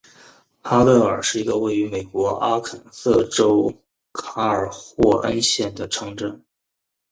哈勒尔是一个位于美国阿肯色州卡尔霍恩县的城镇。